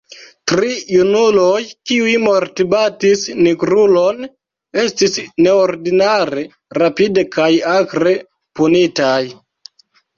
Tri junuloj, kiuj mortbatis nigrulon, estis neordinare rapide kaj akre punitaj.